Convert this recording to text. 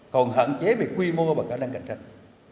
còn hạn chế về quy mô và khả năng cạnh tranh